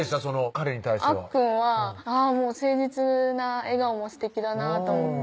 彼に対してはあっくんは誠実な笑顔もすてきだなと思って